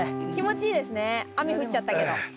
気持ちいいですね雨降っちゃったけど。